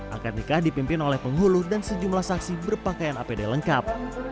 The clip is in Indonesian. akad nikah dipimpin oleh penghulu dan sejumlah saksi berpakaian apd lengkap